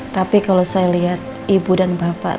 tapi kalau saya lihat ibu dan bapak